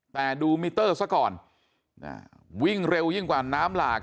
แต่ดูมิเตอร์ซะก่อนวิ่งเร็วยิ่งกว่าน้ำหลาก